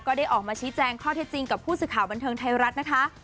ก็ได้ออกมาชี้แจงข้อเท็จจริงกับผู้สื่อข่าวบันเทิงไทยรัฐนะคะ